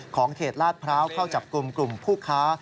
เขตลาดพร้าวเข้าจับกลุ่มกลุ่มผู้ค้า